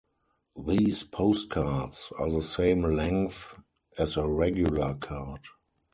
These postcards are the same length as a regular card.